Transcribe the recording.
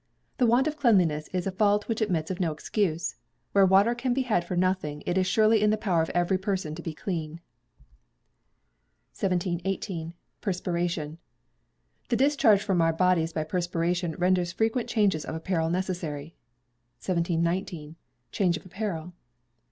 The want of cleanliness is a fault which admits of no excuse. Where water can be had for nothing, it is surely in the power of every person to be clean. 1718. Perspiration. The discharge from our bodies by perspiration renders frequent changes of apparel necessary. 1719. Change of Apparel.